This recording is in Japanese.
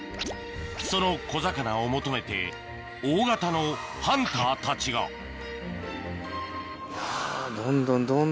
その小魚を求めて大型のハンターたちがより。